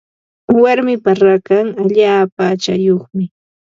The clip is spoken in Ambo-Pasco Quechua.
Warmipa rakan allaapa aqchayuqmi.